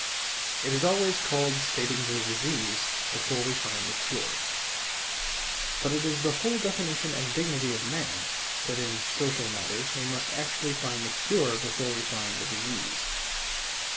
It is always called stating the disease before we find the cure. But it is the whole definition and dignity of man that in social matters we must actually find the cure before we find the disease.